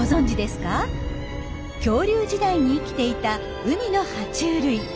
恐竜時代に生きていた海のは虫類